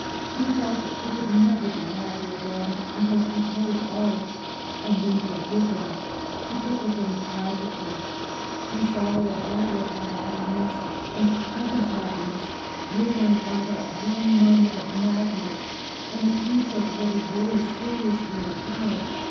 She felt that she could never be happy again until she had told all and been forgiven. She took the thing tragically. She saw the whole of her own happiness and Teddy's happiness ruined by that one moment of madness and the future of the little boys seriously imperilled.